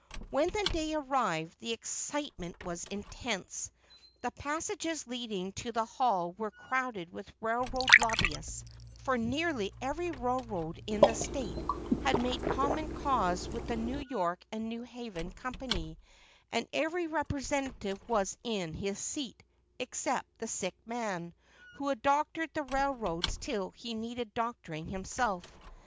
When the day arrived the excitement was intense. The passages leading to the hall were crowded with railroad lobbyists; for nearly every railroad in the State had made common cause with the New York and New Haven Company, and every representative was in his seat, excepting the sick man, who had doctored the railroads till he needed doctoring himself.